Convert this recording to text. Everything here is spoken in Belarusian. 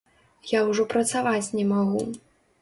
Я ўжо працаваць не магу.